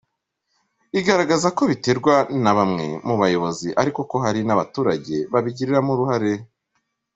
Igaragaza ko biterwa na bamwe mu bayobozi ariko ko hari n’abaturage babigiramo uruhare.